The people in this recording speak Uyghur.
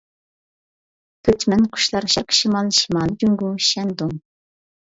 كۆچمەن قۇشلار: شەرقىي شىمال، شىمالىي جۇڭگو، شەندۇڭ.